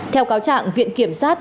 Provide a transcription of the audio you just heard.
theo cáo trạng viện kiểm soát